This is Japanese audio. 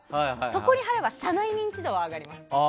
そこに貼れば社内認知度は上がります。